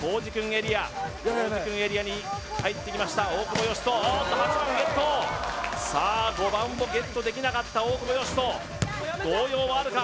エリアコージくんエリアに入ってきました大久保嘉人おっと８番ゲット５番をゲットできなかった大久保嘉人動揺はあるか